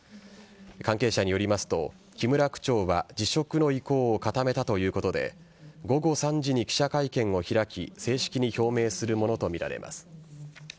関係者によりますと木村区長は辞職の意向を固めたということで午後３時に記者会見を開き正式に表明するものとみられます。